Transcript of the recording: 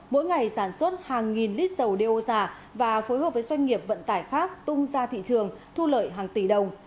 mỗi ngày sản xuất hàng nghìn lít dầu đeo giả và phối hợp với doanh nghiệp vận tải khác tung ra thị trường thu lợi hàng tỷ đồng